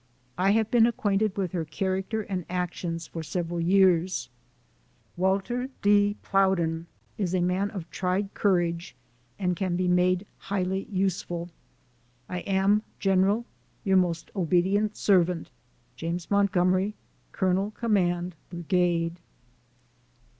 I have been acquainted with her character and actions for several years. 66 SOME SCENES IN THE Walter D. Plowden is a man of tried courage, and can be made highly useful. I am, General, your most ob't servant, JAMES MONTGOMERY, Col. Com. Brigade.